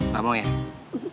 gak mau mas bobby